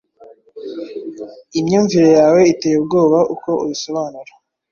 Imyumvire yawe iteye ubwoba uko ubisobanura